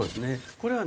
これはね